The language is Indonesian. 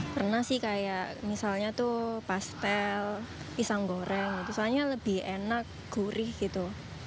pernah sih kayak misalnya tuh pastel pisang goreng soalnya lebih enak gurih gitu